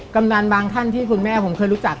กำนันบางท่านที่คุณแม่ผมเคยรู้จัก